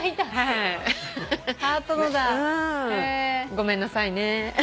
ごめんなさいねぇ。